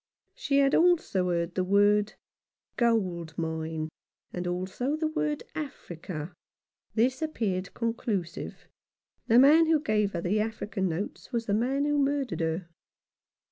She had also heard the word "gold mine," and also the word "Africa." This appeared conclusive. The man who gave her the African notes was the man who murdered her.